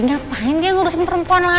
ngapain dia ngurusin perempuan lah